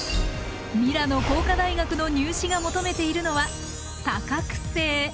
ミラノ工科大学の入試が求めているのは多角性。